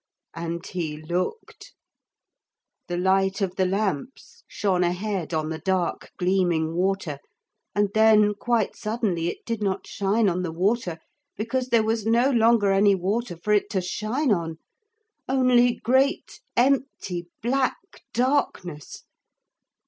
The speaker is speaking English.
And he looked. The light of the lamps shone ahead on the dark gleaming water, and then quite suddenly it did not shine on the water because there was no longer any water for it to shine on. Only great empty black darkness.